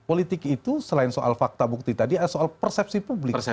politik itu selain soal fakta bukti tadi ada soal persepsi publik